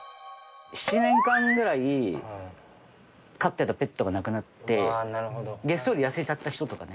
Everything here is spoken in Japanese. ７年間ぐらい飼ってたペットが亡くなってげっそり痩せちゃった人とかね。